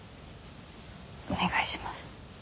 お願いします。